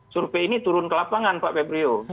survei ini turun ke lapangan pak febrio